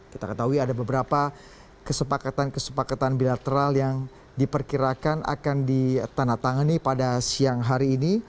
kita ketahui ada beberapa kesepakatan kesepakatan bilateral yang diperkirakan akan ditandatangani pada siang hari ini